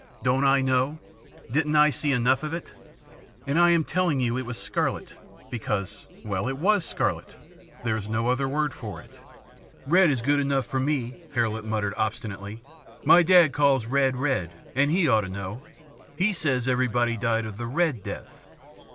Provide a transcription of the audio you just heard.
Don't I know? Didn't I see enough of it? And I am telling you it was scarlet because well, because it was scarlet. There is no other word for it." "Red is good enough for me," Hare Lip muttered obstinately. "My dad calls red red, and he ought to know. He says everybody died of the Red Death."